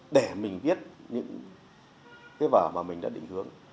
để mình viết những cái vở mà mình đã định hướng